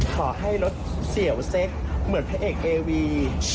ขอให้รถเสี่ยวเซ็กเหมือนพระเอกเอวี